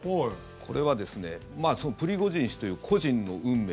これはプリゴジン氏という個人の運命